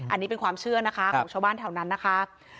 อันนี้เป็นความเชื่อนะคะของชาวบ้านแถวนั้นนะคะ